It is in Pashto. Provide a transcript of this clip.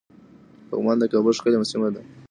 پغمان د کابل ښکلی سيمه ده